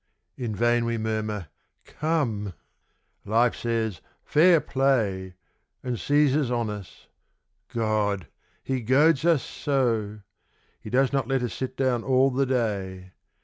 In vain we murmur; "Come," Life says, "Fair play!" And seizes on us. God! he goads us so! He does not let us sit down all the day.